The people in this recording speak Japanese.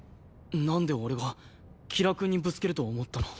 なんで俺が吉良くんにぶつけると思ったの？